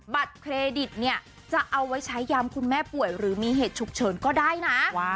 บัตรเครดิตเนี่ยจะเอาไว้ใช้ยามคุณแม่ป่วยหรือมีเหตุฉุกเฉินก็ได้นะ